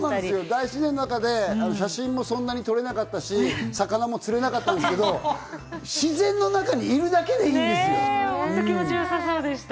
大自然の中で写真も撮れなかったし、魚も釣れなかったですけれど、自然の中にいるだけでいいんですよ。